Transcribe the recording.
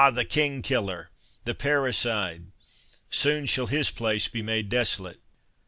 the King killer, the Parricide—soon shall his place be made desolate.